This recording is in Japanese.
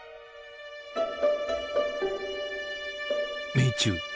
命中。